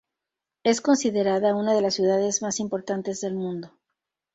Es considerada una de las ciudades más importantes del mundo.